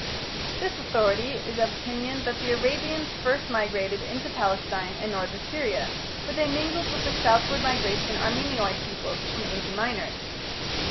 This authority is of opinion that the Arabians first migrated into Palestine and northern Syria, where they mingled with the southward migrating Armenoid peoples from Asia Minor.